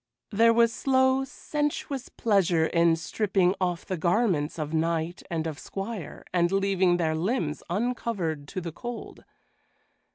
There was slow, sensuous pleasure in stripping off the garments of knight and of squire and leaving their limbs uncovered to the cold.